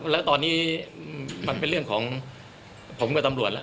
ว่างบางเป็นเรื่องของผมกับทำรวจแล้ว